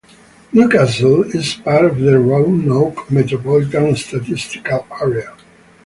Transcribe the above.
New Castle is part of the Roanoke Metropolitan Statistical Area.